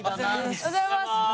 おはようございます。